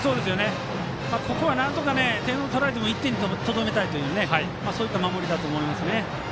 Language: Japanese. ここは点を取られても１点にとどめたいというそういった守りだと思います。